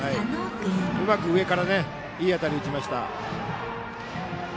うまく上からいい当たりを打ちました。